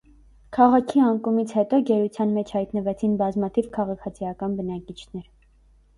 Քաղաքի անկումից հետո գերության մեջ հայտնվեցին բազմաթիվ քաղաքացիական բնակիչներ։